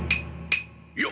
いや！